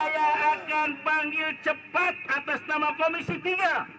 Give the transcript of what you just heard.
saya akan panggil cepat atas nama komisi tiga